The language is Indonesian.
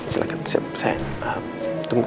silahkan saya tunggu